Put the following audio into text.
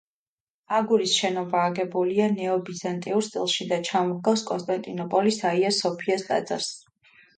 აგურის შენობა აგებულია ნეობიზანტიურ სტილში და ჩამოჰგავს კონსტანტინოპოლის აია-სოფიას ტაძარს.